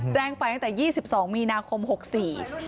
แจ้งไปตั้งแต่๒๒มีนาคมปี๖๔